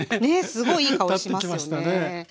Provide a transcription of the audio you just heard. すごいいい香りしますよね。